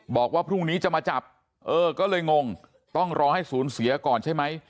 บอกว่าพรุ่งนี้จะมาจับเออก็เลยงงต้องรอให้ศูนย์เสียก่อนใช่ไหม